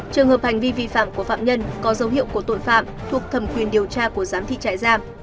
trường hợp hành vi vi phạm của phạm nhân có dấu hiệu của tội phạm thuộc thẩm quyền điều tra của giám thị trại giam